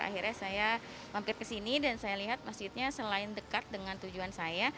akhirnya saya mampir ke sini dan saya lihat masjidnya selain dekat dengan tujuan saya